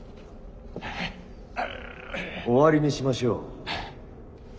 終わりにしましょう。